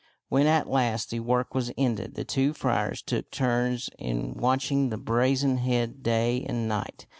When at last the work was ended, the two friars took turns in watching the brazen head day and night.